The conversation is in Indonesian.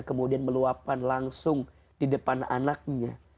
kemudian meluapkan langsung di depan anaknya